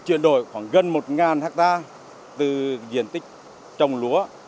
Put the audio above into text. chuyển đổi khoảng gần một ha từ diện tích trồng lúa